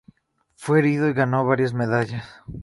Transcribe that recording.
Fue herido y ganó varias medallas.